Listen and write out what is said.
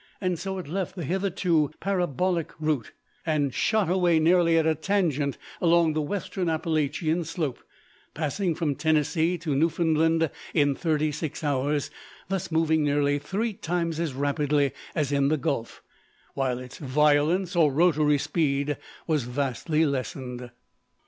So it left the hitherto parabolic route, and shot away nearly at a tangent along the western Appalachian slope, passing from Tennessee to Newfoundland in thirty six hours, thus moving nearly three times as rapidly as in the Gulf: while its violence, or rotary speed, was vastly lessened.